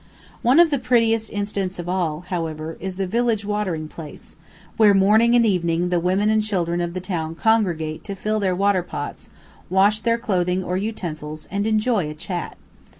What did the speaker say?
] One of the prettiest incidents of all, however, is the village watering place, where morning and evening the women and children of the town congregate to fill their water pots, wash their clothing or utensils, and enjoy a chat.